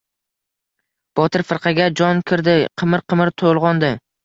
Botir firqaga... jon kirdi! Qimir-qimir to‘lg‘ondi.